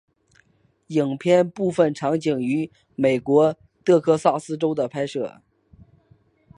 影片部分场景于美国德克萨斯州的拍摄。